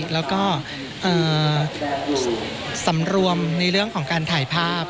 แล้วก็สำรวมในเรื่องของการถ่ายภาพ